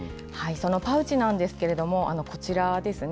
そのパウチなんですけれども、こちらですね。